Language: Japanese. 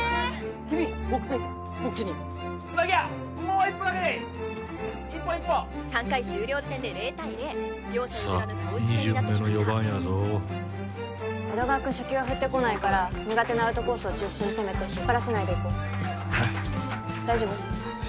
君ボックスへこっちに椿谷もう一歩だけでいい一歩一歩３回終了時点で０対０さあ２巡目の４番やぞ江戸川くん初球は振ってこないから苦手なアウトコースを中心に攻めて引っ張らせないでいこうはい大丈夫？